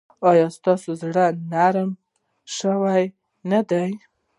ایا ستاسو زړه نرم شوی نه دی؟